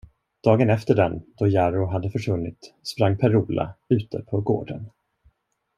Dagen efter den, då Jarro hade försvunnit, sprang Per Ola ute på gården.